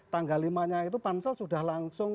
tanggal lima nya itu pansel sudah langsung